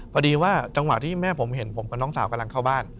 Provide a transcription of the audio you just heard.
พอดีว่าจังหวะที่แม่ผมเห็นผมกับน้องสาวกำลังเข้าบ้าน